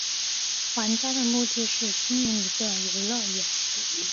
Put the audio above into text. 玩家的目的是经营一个游乐园。